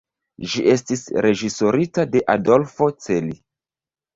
Ĝi estis reĝisorita de Adolfo Celi.